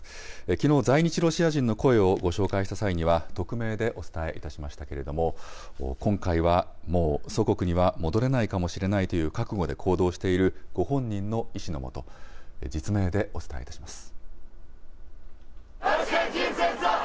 きのう、在日ロシア人の声をご紹介した際には、匿名でお伝えいたしましたけれども、今回は、もう祖国には戻れないかもしれないという覚悟で行動しているご本人の意思のもと、実名でお伝えいたします。